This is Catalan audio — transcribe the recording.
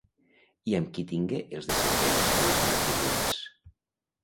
I amb qui tingué els descendents que li són atribuïts?